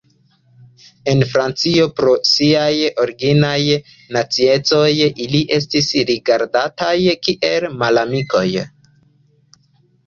En Francio pro siaj originaj naciecoj ili estis rigardataj kiel malamikoj.